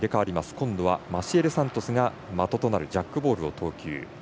今度はマシエル・サントスが的となるジャックボールを投球。